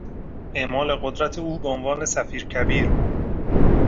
اعمال قدرت او به عنوان سفیرکبیر